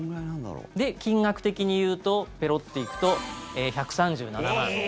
金額的に言うと、ぺロッて行くと１３７万円。